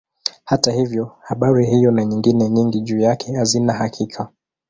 Hata hivyo habari hiyo na nyingine nyingi juu yake hazina hakika.